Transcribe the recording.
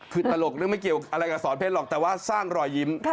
คือตลกนึกไม่เกี่ยวอะไรกับสอนเพชรหรอกแต่เึาะรอยยิ้ม